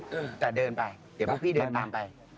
ไม่ต้องพูดแต่เดินไปเดี๋ยวพี่เดินตามไป